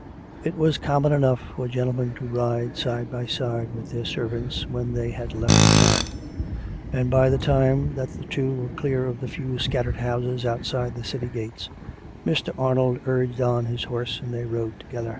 It was common enough for gentlemen to ride side by side with their servants when they had left the town; and by the time that the two were clear of the few scattered houses outside the City gates, Mr. Arnold jjrged on his horse, and they rode together.